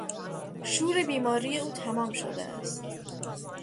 شور بیماری او تمام شده است.